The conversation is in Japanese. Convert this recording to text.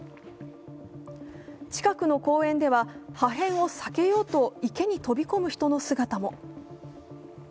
近くの公園では破片を避けようと池に飛び込む人の姿も。